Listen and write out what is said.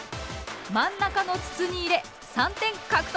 真ん中の筒に入れ３点獲得。